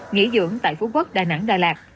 nghỉ dưỡng tại phú quốc đà nẵng đà lạt